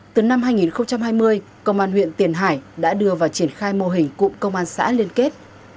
từ năm hai nghìn hai mươi công an huyện tiền hải đã đưa vào triển khai mô hình cụm công an xã liên kết